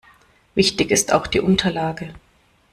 Wichtig ist auch die Unterlage.